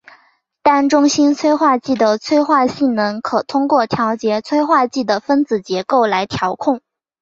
单中心催化剂的催化性能可通过调节催化剂的分子结构来调控。